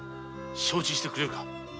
承知してくれるか！